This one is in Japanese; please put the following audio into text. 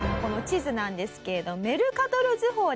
この地図なんですけれども。